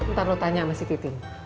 ntar lu tanya sama si titin